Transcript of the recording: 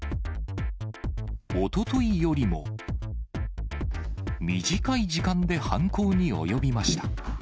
おとといよりも短い時間で犯行に及びました。